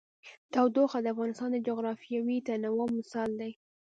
تودوخه د افغانستان د جغرافیوي تنوع مثال دی.